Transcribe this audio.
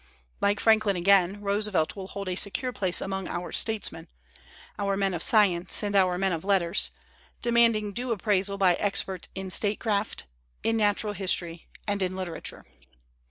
Like Franklin again, Roosevelt will hold a secure place among our statesmen, our men of science and our men of letters, demanding due appraisal by experts in statecraft, in natural history and in literature.